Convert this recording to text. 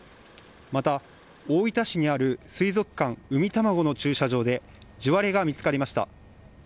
また大分市にある水族館うみたまごの駐車場で地割れが見つかりました。